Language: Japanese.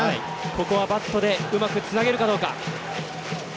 ここはバットでうまくつなげるかどうか。